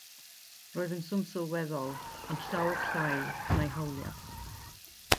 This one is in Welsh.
Roedd yn swm sylweddol ond llawer llai na'i hawliad.